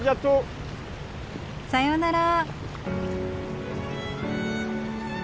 さようなら。